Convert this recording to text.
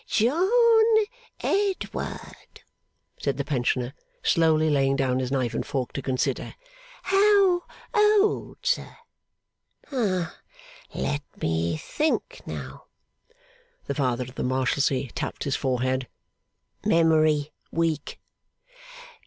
'John Edward,' said the pensioner, slowly laying down his knife and fork to consider. 'How old, sir? Let me think now.' The Father of the Marshalsea tapped his forehead ['Memory weak.